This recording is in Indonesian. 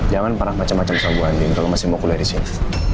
jangan parah macam macam sama bu andin kalau masih mau kuliah di sini